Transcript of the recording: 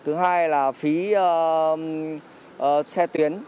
thứ hai là phí xe tuyến